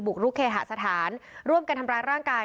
กรุกเคหสถานร่วมกันทำร้ายร่างกาย